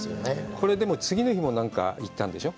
これでも、次の日も何か、行ったんでしょう？